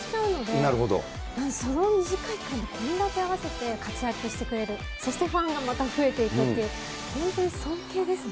その短い期間で、こんだけ合わせて、活躍してくれる、そしてファンがまた増えていくっていう、本当に尊敬ですね。